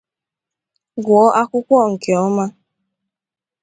gụọ akwụkwọ nke ọma